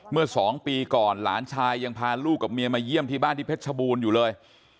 เมื่อ๒ปีก่อนหลานชายยังพาลูกกับเมียมาเยี่ยมที่บ้านที่เพชรชบูรณ์อยู่เลย